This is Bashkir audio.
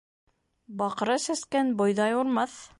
Баҡра сәскән бойҙай урмаҫ.